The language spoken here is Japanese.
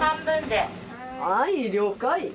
はーい了解。